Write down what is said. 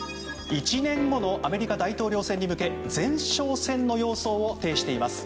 １年後のアメリカ大統領選に向け前哨戦の様相を呈しています。